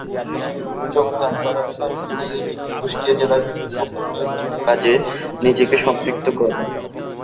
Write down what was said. যোগদান করার পর তিনি নিজেকে কুষ্টিয়া জেলার বিভিন্ন উন্নয়নমূলক কাজে নিজেকে সম্পৃক্ত করেন।